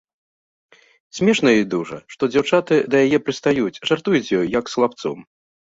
Смешна ёй дужа, што дзяўчаты да яе прыстаюць, жартуюць з ёй, як з хлапцом.